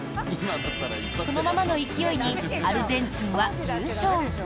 そのままの勢いにアルゼンチンは優勝。